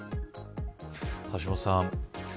橋下さん